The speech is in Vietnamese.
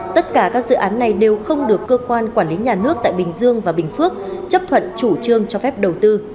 tất cả các dự án này đều không được cơ quan quản lý nhà nước tại bình dương và bình phước chấp thuận chủ trương cho phép đầu tư